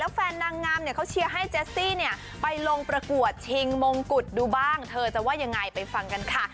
แฟนนางงามเนี่ยเขาเชียร์ให้เจสซี่เนี่ยไปลงประกวดชิงมงกุฎดูบ้างเธอจะว่ายังไงไปฟังกันค่ะ